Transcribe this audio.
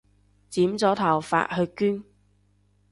剪咗頭髮去捐